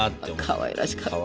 かわいらしかったね。